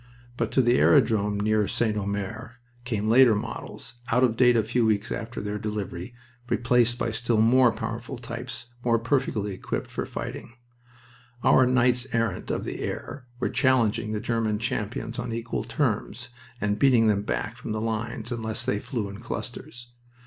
But to the airdrome near St. Omer came later models, out of date a few weeks after their delivery, replaced by still more powerful types more perfectly equipped for fighting. Our knights errant of the air were challenging the German champions on equal terms, and beating them back from the lines unless they flew in clusters.